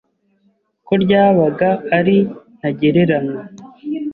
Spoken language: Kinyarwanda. ko ryabaga ari ntagereranywa